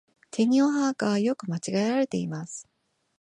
てにをはが、よく間違えられています。